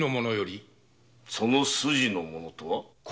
「その筋の者」とは？